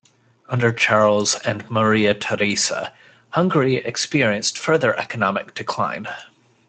Under Charles and Maria Theresa, Hungary experienced further economic decline.